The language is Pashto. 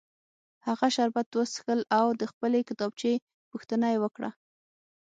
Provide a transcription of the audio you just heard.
هغه شربت وڅښل او د خپلې کتابچې پوښتنه یې وکړه